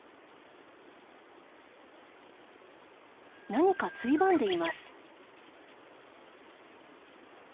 何かついばんでいます。